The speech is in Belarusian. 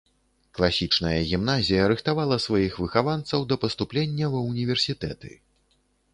Класічная гімназія рыхтавала сваіх выхаванцаў да паступлення ва ўніверсітэты.